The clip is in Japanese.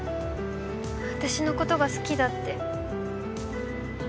私のことが好きだって。